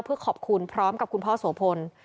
เพื่อขอบคุณพร้อมกับคุณพ่อโสพล